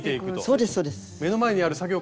そうですそうです。